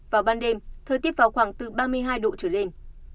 vào ban đêm thời tiết vào khoảng từ ba mươi hai độ trở lên